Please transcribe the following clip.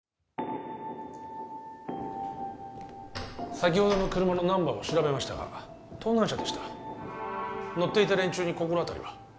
先ほどの車のナンバーを調べましたが盗難車でした乗っていた連中に心当たりは？